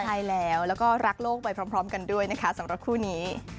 ใช่แล้วแล้วก็รักโลกไปพร้อมกันด้วยนะคะสำหรับคู่นี้